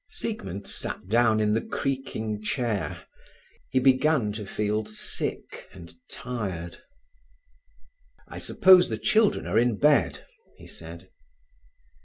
Siegmund sat down in the creaking chair; he began to feel sick and tired. "I suppose the children are in bed," he said.